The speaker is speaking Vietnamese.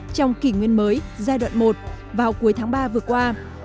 trong kỷ nguyên mới giai đoạn một vào cuối tháng ba vừa qua